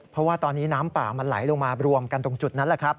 เพราะว่าตอนนี้น้ำป่ามันไหลลงมารวมกันตรงจุดนั้นแหละครับ